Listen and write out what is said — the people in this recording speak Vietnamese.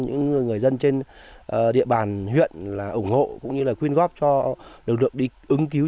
những người dân trên địa bàn huyện là ủng hộ cũng như là quyên góp cho lực lượng đi ứng cứu